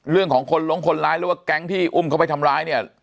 เรื่องของคนลงคนร้ายหรือว่าแก๊งที่อุ้มเขาไปทำร้ายเนี่ย